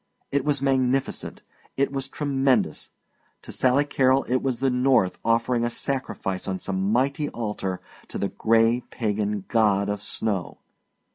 It was magnificent, it was tremendous! To Sally Carol it was the North offering sacrifice on some mighty altar to the gray pagan God of Snow.